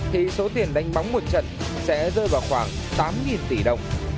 thì số tiền đánh bóng một trận sẽ rơi vào khoảng tám tỷ đồng